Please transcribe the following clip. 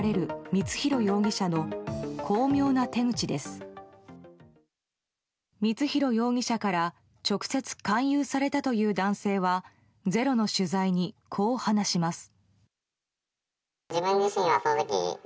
光弘容疑者から直接勧誘されたという男性は「ｚｅｒｏ」の取材にこう話します。